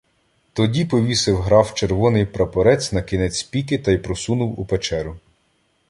Тоді повісив граф червоний прапорець на кінець піки та й просунув у печеру.